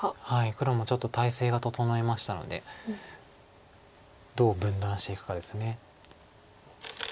黒もちょっと態勢が整いましたのでどう分断していくかです。